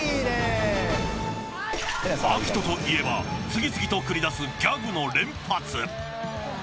アキトといえば次々と繰り出すギャグの連発。